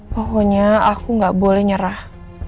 pokoknya aku nggak boleh nyerah